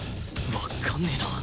わかんねえな